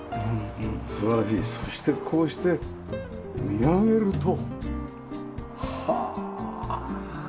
そしてこうして見上げるとはあ。